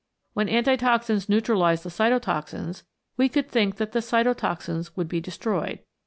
When anti toxins neutralise the cytotoxins we could think that the cytotoxins would be destroyed.